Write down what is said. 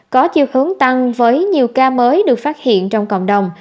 có chiều hướng tăng với nhiều ca mới được phát hiện trong cộng đồng